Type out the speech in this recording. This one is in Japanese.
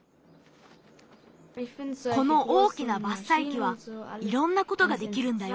この大きなばっさいきはいろんなことができるんだよ。